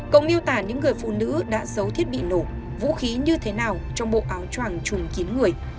cộng miêu tả những người phụ nữ đã giấu thiết bị nổ vũ khí như thế nào trong bộ áo tròng chùm kín người